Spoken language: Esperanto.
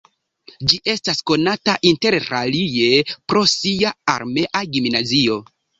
Ĝi estas konata interalie pro sia armea gimnazio.